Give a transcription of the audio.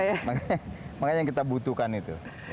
makanya yang kita butuhkan itu